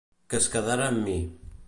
Que es quedara amb mi.